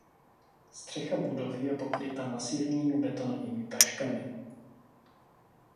Střecha budovy je pokryta masivními betonovými taškami.